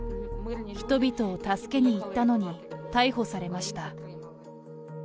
人々を助けにいったのに、逮捕されました。